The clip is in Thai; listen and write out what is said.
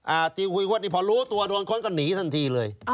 อ่าตีวฮุยฮวดพอรู้ตัวโดนค้นก็หนีทันทีเลย